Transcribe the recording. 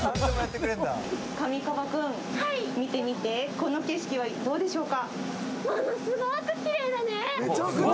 神カバくん見て見て、この景色はどうでしょうか？